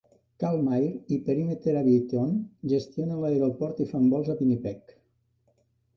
Calm Air i Perimeter Aviation gestionen l'aeroport i fan vols a Winnipeg.